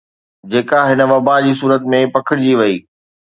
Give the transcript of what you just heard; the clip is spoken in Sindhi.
جيڪا هن وبا جي صورت ۾ پکڙجي وئي